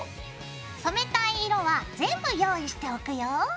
染めたい色は全部用意しておくよ。